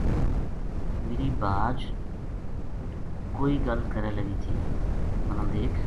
میری بھاج کوئی گل کرے لگی تھی مَنا دیکھ